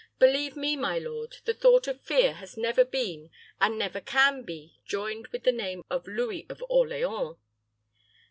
Believe me, my lord, the thought of fear has never been, and never can be joined with the name of Louis of Orleans."